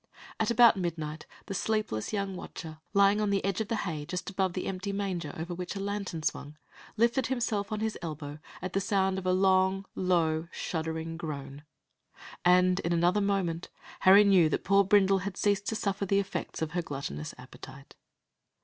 At about midnight, the sleepless young watcher, lying on the edge of the hay just above the empty manger over which a lantern swung, lifted himself on his elbow at the sound of a long, low, shuddering groan, and in another moment, Harry knew that poor Brindle had ceased to suffer the effects of her gluttonous appetite.